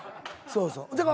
そうそう。